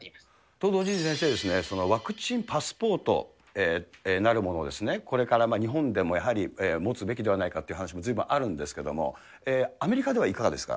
と同時に、先生、ワクチンパスポートなるもの、これから日本でもやはり持つべきではないかという話もずいぶんあるんですけれども、アメリカではいかがですか。